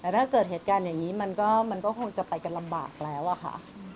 แต่ถ้าเกิดเหตุการณ์อย่างนี้มันก็คงจะไปกันลำบากแล้วอะค่ะ